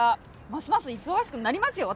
ますます忙しくなりますよ。